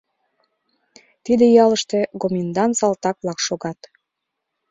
Тиде ялыште гоминдан салтак-влак шогат.